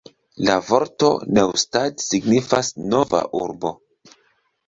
La vorto Neustadt signifas "nova urbo".